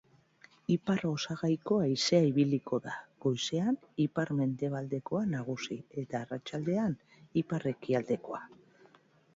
Ipar-osagaiko haizea ibiliko da, goizean ipar-mendebaldekoa nagusi eta arratsaldean ipar-ekialdekoa.